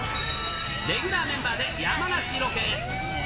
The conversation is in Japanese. レギュラーメンバーで山梨ロケへ。